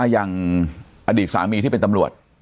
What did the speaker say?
อย่างอดีตสามีที่เป็นตำรวจ